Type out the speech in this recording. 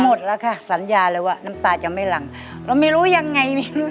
หมดแล้วค่ะสัญญาเลยว่าน้ำตาจะไม่หลังเราไม่รู้ยังไงไม่รู้